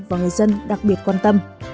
và người dân đặc biệt quan tâm